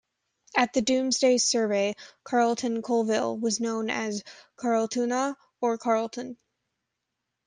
At the Domesday survey Carlton Colville was known as Carletuna or Karletun.